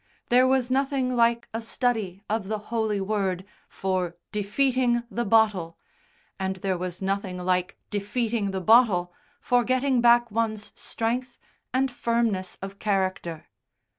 There was nothing like a study of the "Holy Word" for "defeating the bottle," and there was nothing like "defeating the bottle" for getting back one's strength and firmness of character.